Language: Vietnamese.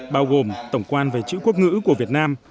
bao gồm tổng quan về chữ quốc ngữ của việt nam